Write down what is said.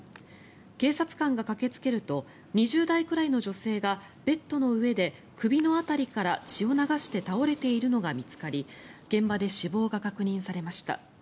警察官が駆けつけると２０代くらいの女性がベッドの上で首の辺りから血を流して倒れているのが見つかり現場で死亡が確認されました。